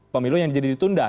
pemilu yang jadi ditunda